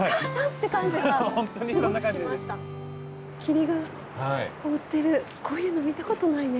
霧が覆ってるこういうの見たことないね。